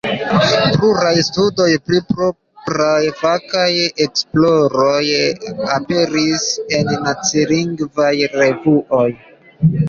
Pluraj studoj pri propraj fakaj esploroj aperis en nacilingvaj revuoj.